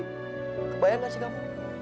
kebayang nggak sih kamu